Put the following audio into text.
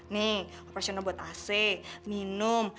nih operasional buat ac minum